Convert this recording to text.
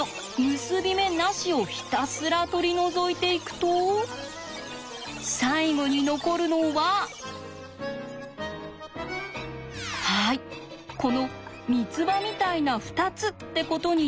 結び目なしをひたすら取り除いていくと最後に残るのははいこの三つ葉みたいな２つってことになるんです。